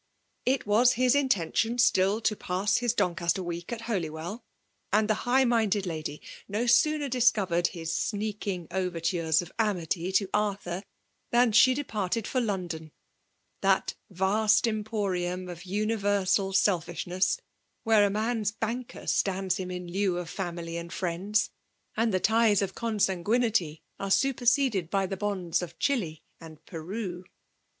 It was his intention still to pa8» Iris Doocaster week at Holywell; and the hi^br minded lady no sooner disoo^ered his sneakiBg orertores of amity to Arthur, than she de* parted for London, — that yast emporiimi of universal selfishness, where a man*s banker stands him in lieu of fomily and friends, and the ties of consanguinity ore svpciseded hy die bonds of Chili and Peru.